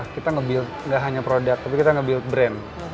kita nge build nggak hanya produk tapi kita nge build brand